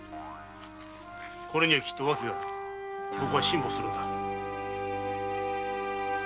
これにはきっと訳があるここは辛抱するのだ。